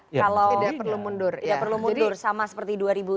tidak perlu mundur sama seperti dua ribu sembilan belas